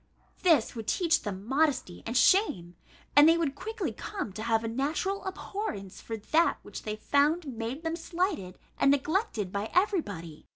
This would teach them modesty and shame, and they would quickly come to have a natural abhorrence for that which they found made them slighted and neglected by every body."